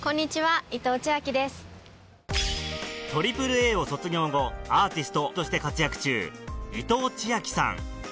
ＡＡＡを卒業後アーティストとして活躍中伊藤千晃さん